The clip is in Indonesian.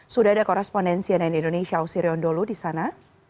sudah ada korespondensi yang ada di indonesia osirion dholu di sana